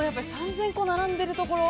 ３０００個並んでいるところ。